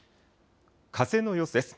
風の様子です。